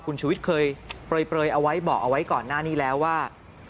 คุณชุวิตเคยเปลยเอาไว้บอกเอาไว้ก่อนหน้านี้แล้วว่า